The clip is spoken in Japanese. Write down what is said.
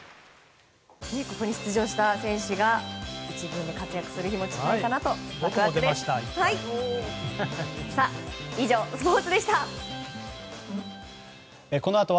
ここに出場した選手が１軍で活躍する日も近いかなと。